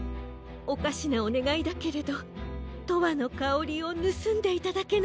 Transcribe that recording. おかしなおねがいだけれど「とわのかおり」をぬすんでいただけないかしら？